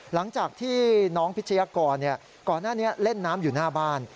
หลังจากที่น้องพิชยากรก่อนหน้านี้เล่นน้ำอยู่หน้าบ้าน